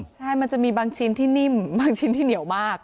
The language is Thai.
ใช่มันจะมีบางชิ้นที่นิ่มบางชิ้นที่เหนียวมาก